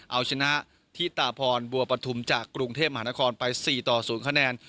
เอาชนะที่ตาพรบัวปฐุมจากกรุงเทพมหานครไป๔ต่อ๐คะแนน